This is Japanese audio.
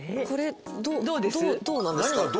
これどうなんですか？